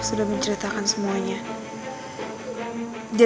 aku sudah menceritakan semuanya